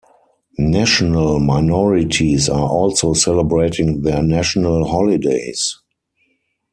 National minorities are also celebrating their national holidays.